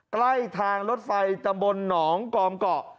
ใกล้ทางรถไฟตำบลหนองกอมเกาะ